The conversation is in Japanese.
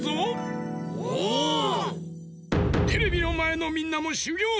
テレビのまえのみんなもしゅぎょうじゃ。